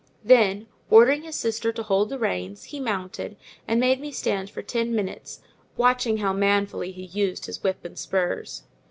Then, ordering his sister to hold the reins, he mounted, and made me stand for ten minutes, watching how manfully he used his whip and spurs.